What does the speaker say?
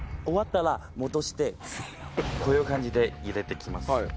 終わったら戻してこういう感じで入れて行きます。